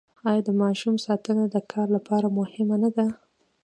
آیا د ماشوم ساتنه د کار لپاره مهمه نه ده؟